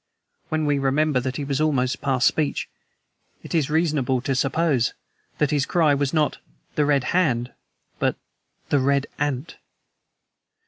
When we remember that he was almost past speech, it is reasonable to suppose that his cry was not 'The red hand!' but 'The red ANT!'